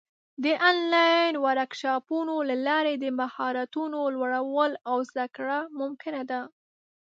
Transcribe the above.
د آنلاین ورکشاپونو له لارې د مهارتونو لوړول او زده کړه ممکنه ده.